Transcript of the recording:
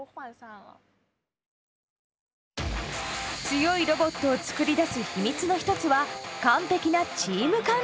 強いロボットを作り出す秘密の１つは完璧なチーム管理にありました。